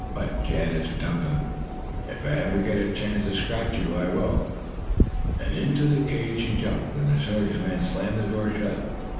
"But," she added to Tum Tum, "if ever I get a chance to scratch you, I will." Into the cage she jumped, and the circus men slammed the door shut.